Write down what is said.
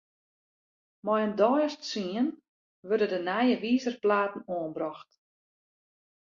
Mei in deis as tsien wurde de nije wizerplaten oanbrocht.